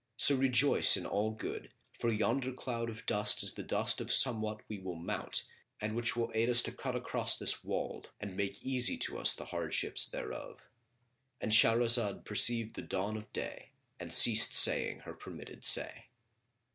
So rejoice in all good; for yonder cloud of dust is the dust of somewhat we will mount and which will aid us to cut across this wold and make easy to us the hardships thereof."—And Shahrazad perceived the dawn of day and ceased saying her permitted say.